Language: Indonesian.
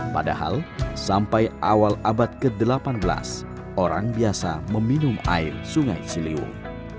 padahal sampai awal abad ke delapan belas orang biasa meminum air sungai ciliwung